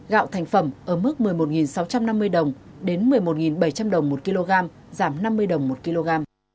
gạo thành phẩm ở mức một mươi một sáu trăm năm mươi đồng đến một mươi một bảy trăm linh đồng một kg giảm năm mươi đồng một kg